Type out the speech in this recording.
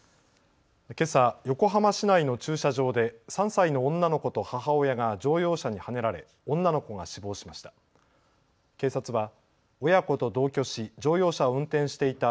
けさ、横浜市内の駐車場で３歳の女の子と母親が乗用車にはねられ女の子が死亡しました。